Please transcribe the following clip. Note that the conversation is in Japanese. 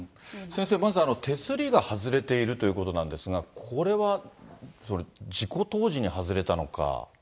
先生、まず、手すりが外れているということなんですが、これは事故当時に外れたのか。